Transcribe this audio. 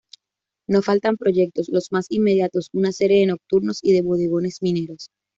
No faltan proyectos, los más inmediatos una serie de nocturnos y de bodegones mineros.